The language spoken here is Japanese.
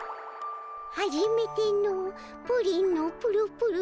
「はじめてのプリンのプルプル